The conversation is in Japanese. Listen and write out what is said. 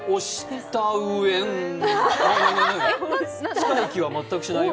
近い気は全くしないよ。